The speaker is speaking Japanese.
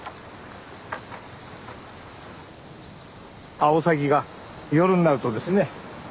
アオサギが夜になるとですね